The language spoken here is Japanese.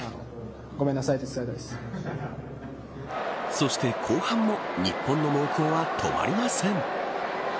そして後半も日本の猛攻は止まりません。